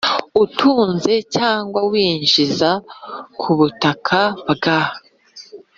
Utunze cyangwa winjiza ku butaka bwa